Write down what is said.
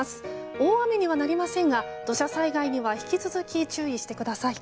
大雨にはなりませんが土砂災害には引き続き注意してください。